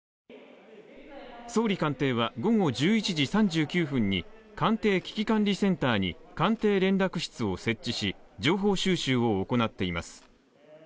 総理官邸は、午後１１時３９分に官邸危機管理センターに官邸連絡室を設置し、情報収集を行っています。